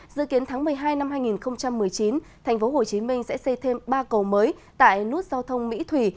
dự kiến tháng một mươi hai năm hai nghìn một mươi chín tp hcm sẽ xây thêm ba cầu mới tại nút giao thông mỹ thủy